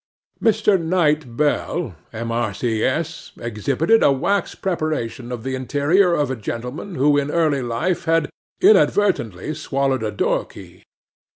'MR. KNIGHT BELL (M.R.C.S.) exhibited a wax preparation of the interior of a gentleman who in early life had inadvertently swallowed a door key.